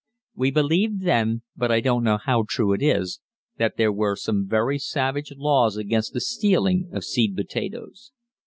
We believed then, but I don't know how true it is, that there were some very savage laws against the stealing of seed potatoes.